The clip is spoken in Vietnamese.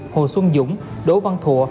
hồ xuân dũng đỗ văn thụ